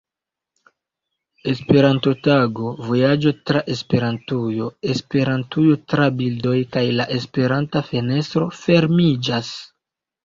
Esperanto-Tago, Vojaĝo tra Esperantujo, Esperantujo tra bildoj kaj La Esperanta fenestro fermiĝas.